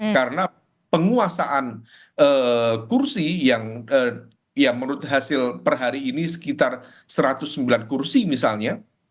karena penguasaan kursi yang ya menurut hasil per hari ini sekitar satu ratus sembilan kursi misalnya